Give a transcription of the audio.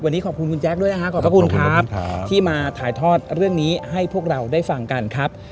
วันนี้ขอบคุณคุณแจ๊คด้วยนะครับขอบพระคุณครับที่มาถ่ายทอดเรื่องนี้ให้พวกเราได้ฟังกันครับ